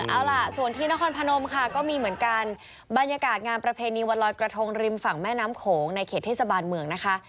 เอาล่ะส่วนที่นครพนมค่ะก็มีเหมือนกันบรรยากาศงานประเพณีวันลอยกระทงริมฝั่งแม่น้ำโขงในเขตเทศบาลเมืองนะคะ